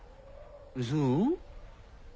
そう？